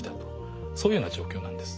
そういうような状況なんです。